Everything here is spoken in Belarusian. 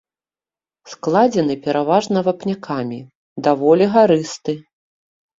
Складзены пераважна вапнякамі, даволі гарысты.